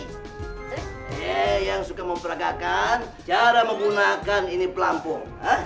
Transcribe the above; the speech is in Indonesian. eh yang suka memperagakan cara menggunakan ini pelampung